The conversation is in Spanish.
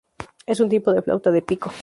Es un tipo de flauta de pico.